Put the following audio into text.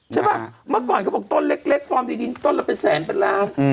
ใช่ป่ะเมื่อก่อนเขาบอกต้นเล็กฟอร์มดีดินต้นละเป็นแสนเป็นล้าน